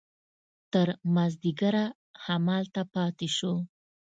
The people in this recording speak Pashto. تر مازديګره هملته پاته سو.